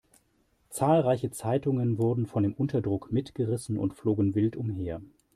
Zahlreiche Zeitungen wurden von dem Unterdruck mitgerissen und flogen wild umher.